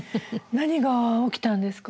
何が起きたんですか？